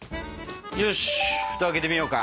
よし蓋開けてみようか。